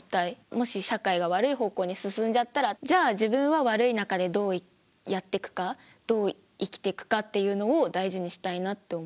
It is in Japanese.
もし社会が悪い方向に進んじゃったらじゃあ自分は悪い中でどうやっていくかどう生きていくかっていうのを大事にしたいなって思う。